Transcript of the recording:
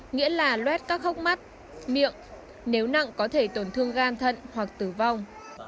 nghĩa là luét các khóc mắt miệng nếu nặng có thể tổn thương gan thận hoặc tử vong